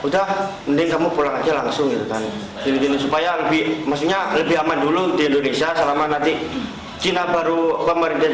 sehingga membuat kami juga nggak khawatir sebenarnya